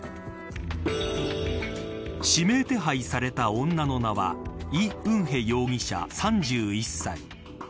指名手配された女の名はイ・ウンヘ容疑者、３１歳。